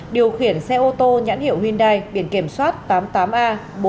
điều khiển xe ô tô nhãn hiệu hyundai biển kiểm soát tám mươi tám a